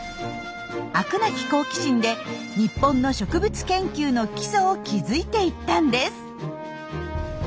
飽くなき好奇心で日本の植物研究の基礎を築いていったんです。